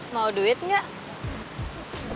mau duit gak